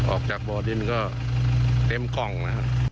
ออกจากบ่อดินก็เต็มกล้องนะครับ